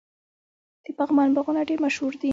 د پغمان باغونه ډیر مشهور دي.